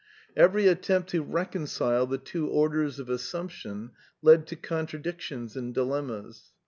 Every attempt to recon cile the two orders of assiunption led to contradictions and dilemmas.